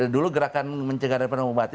dulu gerakan mencegah dan mengubati